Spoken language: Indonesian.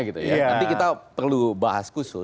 nanti kita perlu bahas khusus